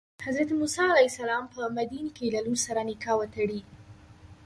حضرت موسی علیه السلام په مدین کې له لور سره نکاح وتړي.